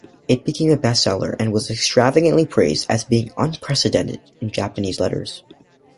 It became a best-seller and was extravagantly praised as being unprecedented in Japanese letters.